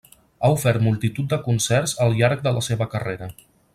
Ha ofert multitud de concerts al llarg de la seva carrera.